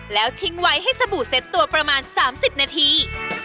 แล้วทิ้งไว้ให้สบู่เซ็ตตัวประมาณ๓๐นาที